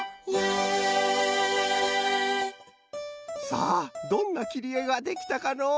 さあどんなきりえができたかのう？